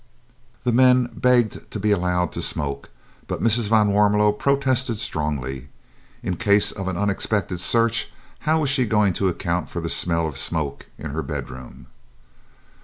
The men begged to be allowed to smoke, but Mrs. van Warmelo protested strongly. In case of an unexpected search, how was she going to account for the smell of smoke in her bedroom?